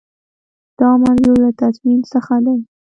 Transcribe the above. دا منظور له تضمین څخه دی.